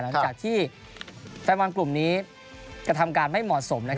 หลังจากที่แฟนบอลกลุ่มนี้กระทำการไม่เหมาะสม